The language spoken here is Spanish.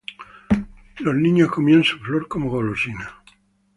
Los niños comían su flor como golosina.